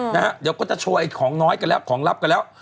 นะฮะเดี๋ยวก็จะโชว์ไอของน้อยกันแล้วของลับกันแล้ว